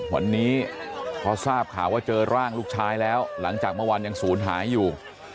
วันนี้พอทราบข่าวว่าเจอร่างลูกชายแล้วหลังจากเมื่อวานยังศูนย์หายอยู่